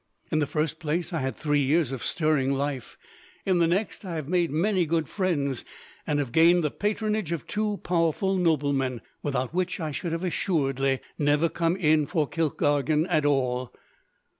In the first place, I had three years of stirring life; in the next, I have made many good friends, and have gained the patronage of two powerful noblemen, without which I should have assuredly never come in for Kilkargan at all."